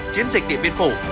chiến dịch điện biên phủ